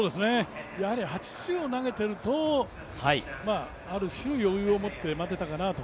８０を投げていると、ある種、余裕を持って待てたかなと。